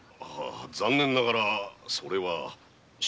残念ながらそれは。